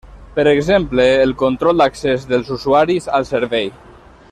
Per exemple, el control d'accés dels usuaris al servei.